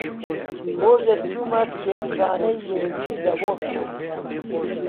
ڕۆژێک چوومە کتێبخانەی لێنین لە مۆسکۆ